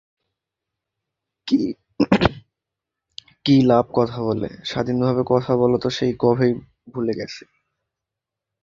এটি Bangladesh, Bhutan, Cambodia, Laos, Myanmar, Thailand, Vietnam, Bharat, Java ও Sumatra অঞ্চলের উদ্ভিদ।